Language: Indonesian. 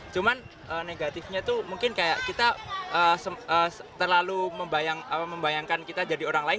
cuman negatifnya itu mungkin kayak kita terlalu membayangkan kita jadi orang lain